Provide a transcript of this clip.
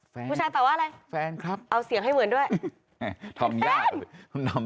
ฟังผู้ชายตอบว่าอะไรฟังครับเอาเสียงให้เหมือนด้วยฮ่าฮ่าทำยาก